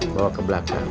bawa ke belakang